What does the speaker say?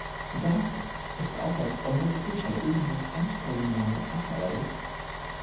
Daher ist auch auf europäischer Ebene eine Stellungnahme erforderlich.